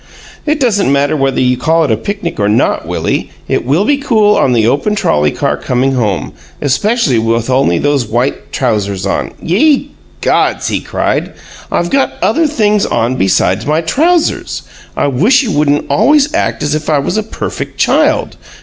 "It doesn't matter whether you call it a picnic or not, Willie. It will be cool on the open trolleycar coming home, especially with only those white trousers on " "Ye gods!" he cried. "I've got other things on besides my trousers! I wish you wouldn't always act as if I was a perfect child!